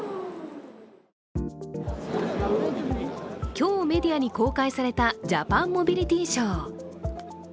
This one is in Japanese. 今日メディアに公開されたジャパンモビリティショー。